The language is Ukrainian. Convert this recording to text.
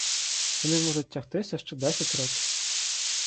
Вони можуть тягтися ще десять років.